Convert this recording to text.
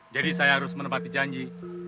jadi saya harus menepati janji